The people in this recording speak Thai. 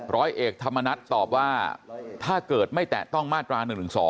ร้อยเอกธรรมนัฐตอบว่าถ้าเกิดไม่แตะต้องมาตรา๑๑๒